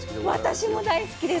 私も大好きです。